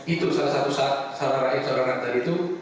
itu salah satu salah rakyat sobara rantar itu